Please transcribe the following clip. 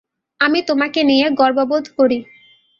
আমি তোমাকে নিয়ে গর্ববোধ করি।